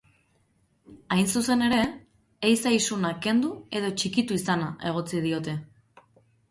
Hain zuzen ere, ehiza isunak kendu edo txikitu izana egotzi diote.